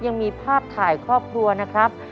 ยังมีภาพถ่ายครอบครัวนะครับ